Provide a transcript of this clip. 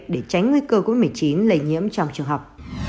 để tránh nguy cơ covid một mươi chín lây nhiễm trong trường học